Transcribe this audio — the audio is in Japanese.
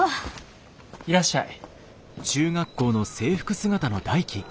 いらっしゃい。